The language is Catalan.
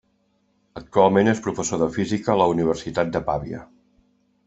Actualment és professor de física a la Universitat de Pavia.